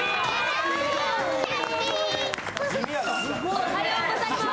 おはようございます。